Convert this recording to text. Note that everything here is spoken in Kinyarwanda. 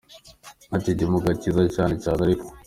Ati “Ndi mu gakiza cyane, cyane ariko.